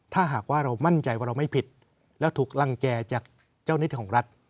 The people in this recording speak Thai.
ถ้าหากว่าเรามั่นใจว่าเราไม่ผิดแล้วถูกรังแก่จากเจ้านิดของรัฐ